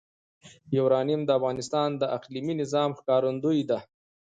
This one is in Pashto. یورانیم د افغانستان د اقلیمي نظام ښکارندوی ده.